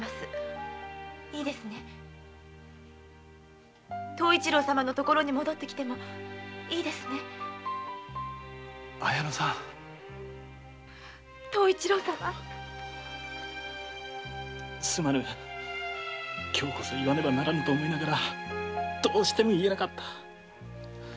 いいですね東一郎様のところに戻ってきても綾乃さん東一郎様すまぬ今日こそ言わねばならぬと思いながらどうしても言えなかった